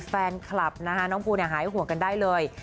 แฟนคลับนะคะน้องภูหายห่วงกันได้เลย